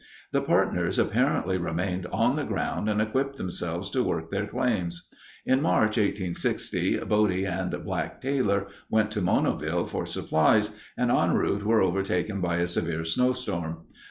The partners apparently remained on the ground and equipped themselves to work their claims. In March, 1860, Body and "Black" Taylor went to Monoville for supplies, and en route were overtaken by a severe snow storm.